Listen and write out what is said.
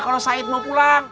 kalau said mau pulang